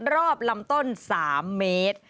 รอบลำต้น๓เมตร